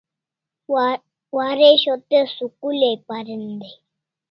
Waresho te school ai parin dai